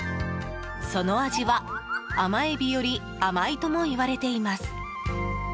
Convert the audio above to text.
その味は甘エビより甘いとも言われています。